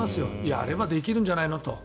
やればできるんじゃないのと。